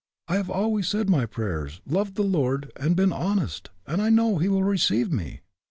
I have always said my prayers, loved the Lord, and been honest, and I know He will receive me."